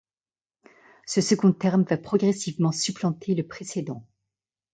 Ce second terme va progressivement supplanter le précédent.